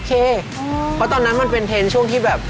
เพราะตอนนั้นมันเป็นเทรนด์ช่วงที่แบบ